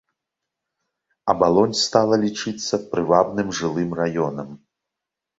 Абалонь стала лічыцца прывабным жылым раёнам.